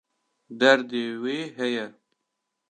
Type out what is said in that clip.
Derdê wê heye.